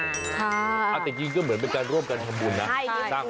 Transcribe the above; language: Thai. แต่จริงก็เหมือนเป็นการร่วมกันทำบุญนะ